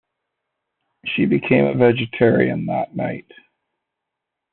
She became a vegetarian that night.